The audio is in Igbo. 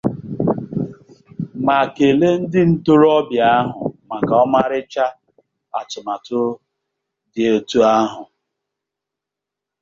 ma kelee ndị ntorobịa ahụ maka ọmarịcha atụmatụ dị etu ahụ